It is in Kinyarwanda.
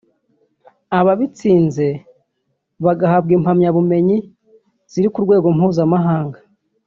ababitsinze bagahabwa impamyabumenyi ziri ku rwego mpuzamahanga